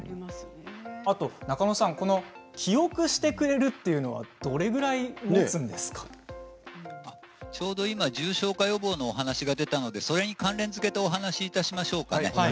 中野さん記憶してくれるというのはちょうど今重症予防の話が出たのでそれに関連づけてお話ししましょう。